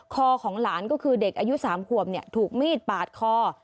คอของหลานก็คือเด็กอายุ๓ขวบถูกมีดปาดคอ